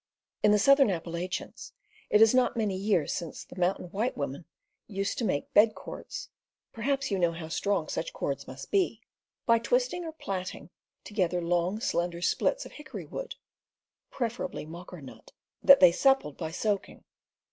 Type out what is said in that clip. In the southern Appalachians, it is not many years since the mountain white women used to make bed cords (perhaps you know how strong such cords must 272 CAMPING AND WOODCRAFT be) by twisting or plaiting together long, slender splits of hickory wood (preferably mocker nut) that they suppled by soaking.